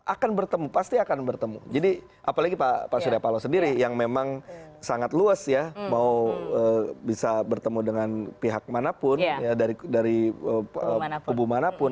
akan bertemu pasti akan bertemu jadi apalagi pak surya paloh sendiri yang memang sangat luas ya mau bisa bertemu dengan pihak manapun dari kubu manapun